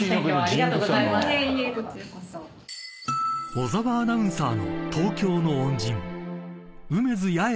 ［小澤アナウンサーの東京の］